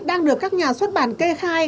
đang được các nhà xuất bản kê khai